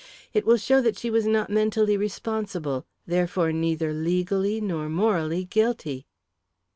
It will show that she was not mentally responsible therefore neither legally nor morally guilty."